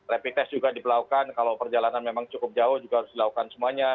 rapid test juga diperlakukan kalau perjalanan memang cukup jauh juga harus dilakukan semuanya